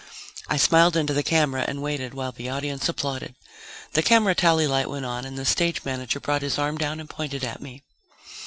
I smiled into the camera and waited while the audience applauded. The camera tally light went on and the stage manager brought his arm down and pointed at me.